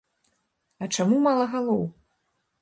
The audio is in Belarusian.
А чаму мала галоў?!